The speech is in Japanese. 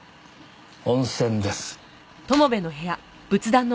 温泉です。